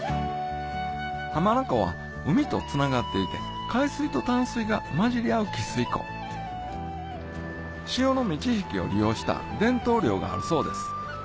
浜名湖は海とつながっていて海水と淡水が混じり合う汽水湖潮の満ち引きを利用した伝統漁があるそうです